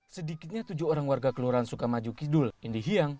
sedikitnya tujuh orang warga kelurahan sukamaju kidul indi hiang